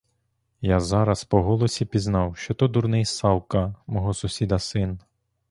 Я зараз по голосі пізнав, що то дурний Савка, мого сусіда син.